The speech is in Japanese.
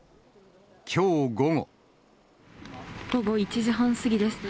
午後１時半過ぎです。